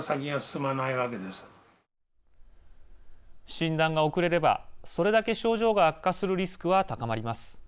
診断が遅れればそれだけ症状が悪化するリスクは高まります。